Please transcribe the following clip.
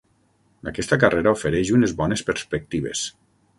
Aquesta carrera ofereix unes bones perspectives.